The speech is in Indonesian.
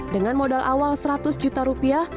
dengan modal awal seratus juta rupiah